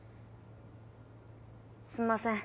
すんません